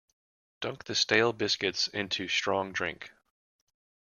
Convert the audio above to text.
Dunk the stale biscuits into strong drink.